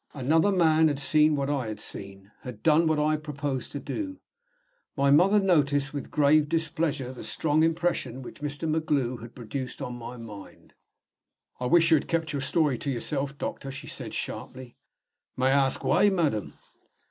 Another man had seen what I had seen had done what I proposed to do! My mother noticed with grave displeasure the strong impression which Mr. MacGlue had produced on my mind. "I wish you had kept your story to yourself, doctor," she said, sharply. "May I ask why, madam?"